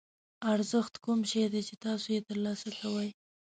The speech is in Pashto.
ارزښت کوم شی دی چې تاسو یې ترلاسه کوئ.